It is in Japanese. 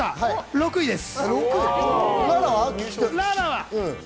６位です。